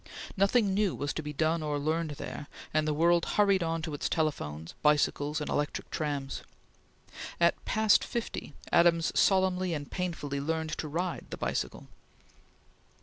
Nothing new was to be done or learned there, and the world hurried on to its telephones, bicycles, and electric trams. At past fifty, Adams solemnly and painfully learned to ride the bicycle.